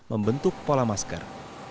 membentuk pola masker